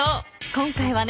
今回はね